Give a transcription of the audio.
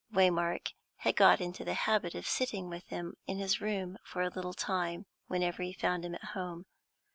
Waymark had got into the habit of sitting with him in his room for a little time, whenever he found him at home.